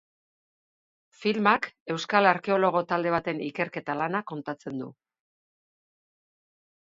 Filmak euskal arkeologo talde baten ikerketa-lana kontatzen du.